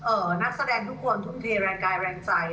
นักแสดงทุกคนทุกทีแรงกายแรงใจ